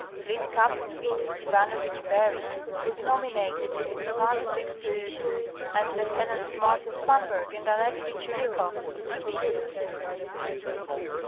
Fleet Captain Vitus Ivanovich Bering was nominated to the command of the expedition and Lieutenants Martin Spanberg* and Alexie Chirikoff to be his assistants.